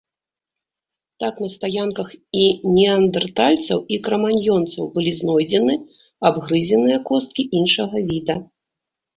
Так на стаянках і неандэртальцаў і краманьёнцаў былі знойдзены абгрызеныя косткі іншага віда.